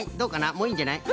もういいんじゃない？